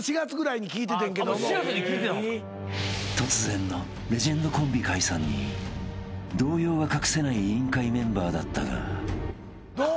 ［突然のレジェンドコンビ解散に動揺が隠せない『委員会』メンバーだったが］どう？